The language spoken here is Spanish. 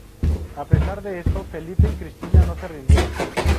A pesar de esto Felipe y Cristina no se rindieron.